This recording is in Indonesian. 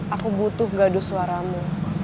aku butuh gaduh suaramu